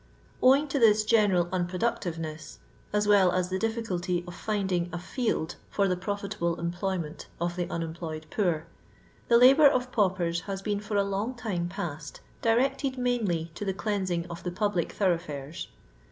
Owing i^ this general unprodnctivenesg, (as well as the difficulty A finding a field for the profitable employment of the unemployed poor,) the labour of paupers has been for a long time post directed mainly to the cleansing of the public thorough foxes.